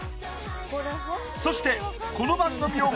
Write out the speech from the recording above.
そしてこの番組を